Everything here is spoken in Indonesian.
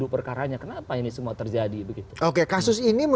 pak mas hidon terima kasih